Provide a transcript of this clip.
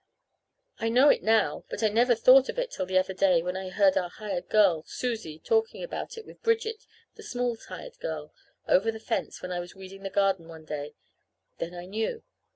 I know it now, but I never thought of it till the other day when I heard our hired girl, Susie, talking about it with Bridget, the Smalls' hired girl, over the fence when I was weeding the garden one day. Then I knew.